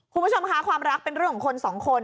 คุณผู้ชมค่ะความรักเป็นเรื่องของคนสองคน